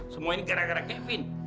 semua ini gara gara kevin